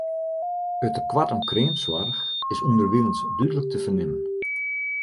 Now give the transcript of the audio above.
It tekoart oan kreamsoarch is ûnderwilens dúdlik te fernimmen.